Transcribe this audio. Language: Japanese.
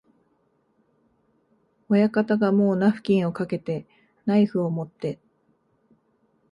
親方がもうナフキンをかけて、ナイフをもって、